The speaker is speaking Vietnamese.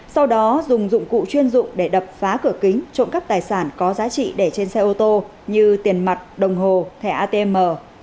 sau đó dùng dụng cụ chuyên dụng để đập phá cửa kính trộm cắp tài sản có giá trị để trên xe ô tô như tiền mặt đồng hồ thẻ atm